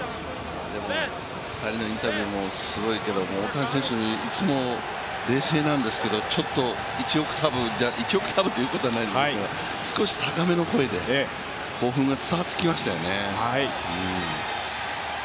彼のインタビューもすごいけども、大谷選手、いつも冷静なんですけど、ちょっと１オクターブということはないんですが少し高めの声で興奮が伝わってきましたよね。